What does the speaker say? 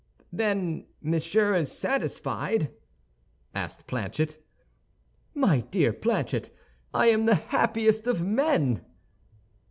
"Then Monsieur is satisfied?" asked Planchet. "My dear Planchet, I am the happiest of men!"